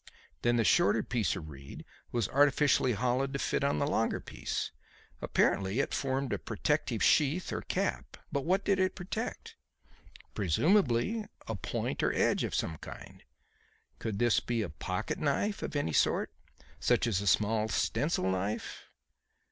Then the shorter piece of reed was artificially hollowed to fit on the longer piece. Apparently it formed a protective sheath or cap. But what did it protect? Presumably a point or edge of some kind. Could this be a pocket knife of any sort, such as a small stencil knife?